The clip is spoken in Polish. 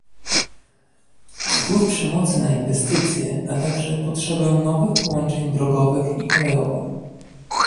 wpływ przemocy na inwestycje, a także potrzebę nowych połączeń drogowych i kolejowych